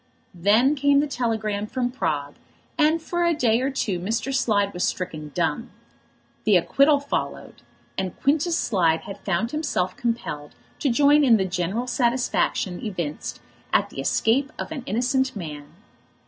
Then came the telegram from Prague, and for a day or two Mr. Slide was stricken dumb. The acquittal followed, and Quintus Slide had found himself compelled to join in the general satisfaction evinced at the escape of an innocent man.